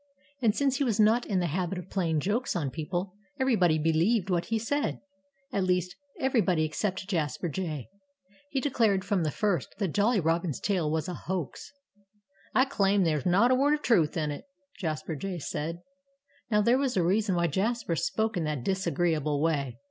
And since he was not in the habit of playing jokes on people, everybody believed what he said at least, everybody except Jasper Jay. He declared from the first that Jolly Robin's tale was a hoax. "I claim that there's not a word of truth in it!" Jasper Jay said. Now, there was a reason why Jasper spoke in that disagreeable way.